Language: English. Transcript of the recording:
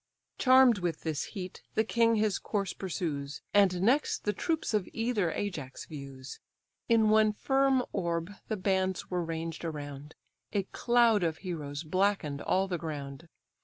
Charm'd with this heat, the king his course pursues, And next the troops of either Ajax views: In one firm orb the bands were ranged around, A cloud of heroes blacken'd all the ground.